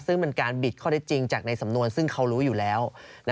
ซึ่งเป็นการบิดข้อได้จริงจากในสำนวนซึ่งเขารู้อยู่แล้ว